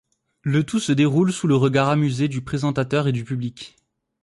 Le tout se déroule sous le regard amusé du présentateur et du public.